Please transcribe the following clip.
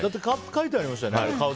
書いてありましたよね。